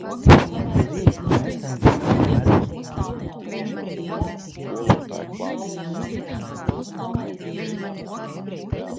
No rīta nesteidzīgi paēdam un dodamies pastaigā. Iekāpjam mašīna un aizbraucam uz Arkādija parku.